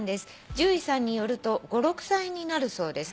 「獣医さんによると５６歳になるそうです」